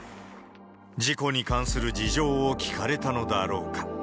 事故に関する事情を聞かれたのだろうか。